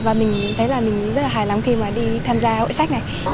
và mình thấy là mình rất là hài lòng khi mà đi tham gia hội sách này